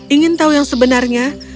ingin tahu yang sebenarnya